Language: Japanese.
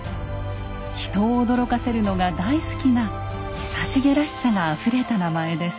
人を驚かせるのが大好きな久重らしさがあふれた名前です。